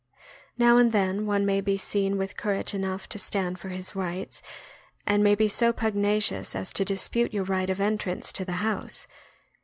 Now and then one may be seen with courage enough to stand for his rights, and may be so pugnacious as to dis pute your right of entrance to the house.